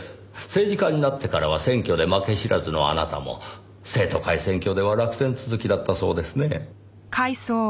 政治家になってからは選挙で負け知らずのあなたも生徒会選挙では落選続きだったそうですね？